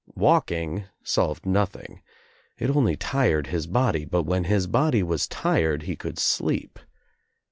Walking solved nothing. It only tired his body, but when his body was tired he could sleep.